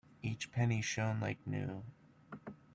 Each penny shone like new.